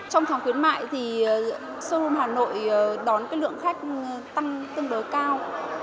trong tháng khuyến mại thì show hà nội đón cái lượng khách tăng tương đối cao